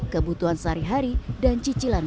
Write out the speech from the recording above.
kebutuhan sehari hari dan cicilan